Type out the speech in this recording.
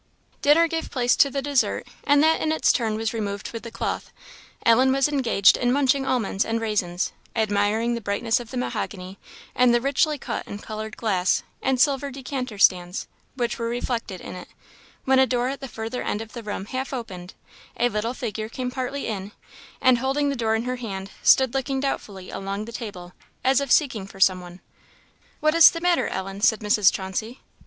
Dinner gave place to the dessert, and that in its turn was removed with the cloth. Ellen was engaged in munching almonds and raisins, admiring the brightness of the mahogany, and the richly cut and coloured glass, and silver decanter stands, which were reflected in it; when a door at the further end of the room half opened, a little figure came partly in, and holding the door in her hand, stood looking doubtfully along the table, as if seeking for some one. "What is the matter, Ellen?" said Mrs. Chauncey.